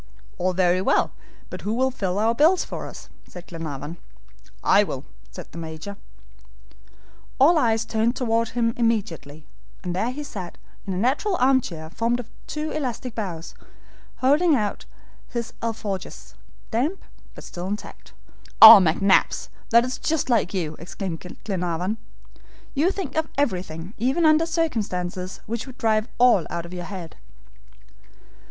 "All very well, but who will fill our bills for us?" said Glenarvan. "I will," said the Major. All eyes turned toward him immediately, and there he sat in a natural arm chair, formed of two elastic boughs, holding out his ALFORJAS damp, but still intact. "Oh, McNabbs, that's just like you," exclaimed Glenarvan, "you think of everything even under circumstances which would drive all out of your head."